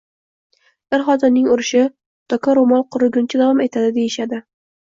Er-xotinning urishi doka-ro`mol quriguncha davom etadi, deyishadi